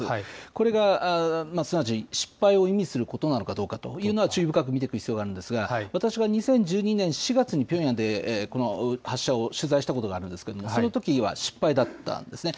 これがすなわち、失敗を意味することなのかということは、注意深く見ていく必要があるんですが、私が２０１２年４月にピョンヤンでこの発射を取材したことがあるんですけれども、そのときは失敗だったんですね。